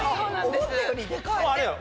思ったよりデカい。